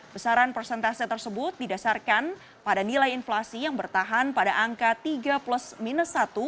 besaran persentase tersebut didasarkan pada nilai inflasi yang bertahan pada angka tiga plus minus satu